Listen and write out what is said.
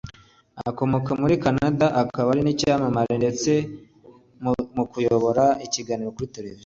Akomoka muri Canada akaba ari umuririmbyi ndetse n’icyamamare mu kuyobora ibiganiro kuri televiziyo